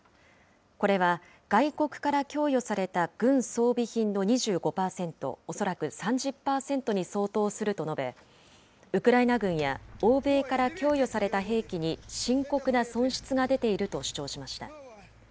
これは、外国から供与された軍装備品の２５％、恐らく３０％に相当すると述べ、ウクライナ軍や欧米から供与された兵器に深刻な損失が出ていると主張しました。